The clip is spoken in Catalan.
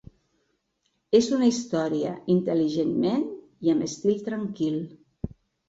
És una història intel·ligentment, i amb estil tranquil.